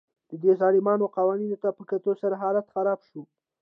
دې ظالمانه قوانینو ته په کتو سره حالت خراب شو